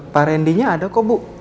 pak randy nya ada kok bu